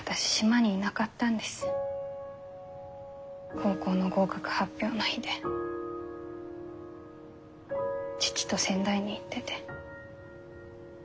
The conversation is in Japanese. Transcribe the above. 高校の合格発表の日で父と仙台に行ってて。